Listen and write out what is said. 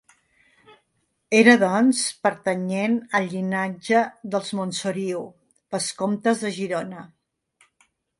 Era doncs, pertanyent al llinatge dels Montsoriu, vescomtes de Girona.